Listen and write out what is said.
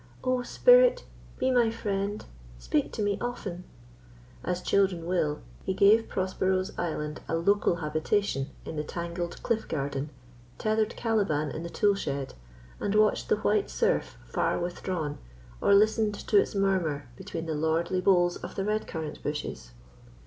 "O spirit, be my friend speak to me often!" As children will, he gave Prospero's island a local habitation in the tangled cliff garden, tethered Caliban in the tool shed, and watched the white surf far withdrawn, or listened to its murmur between the lordly boles of the red currant bushes.